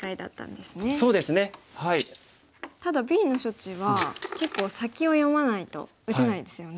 ただＢの処置は結構先を読まないと打てないですよね。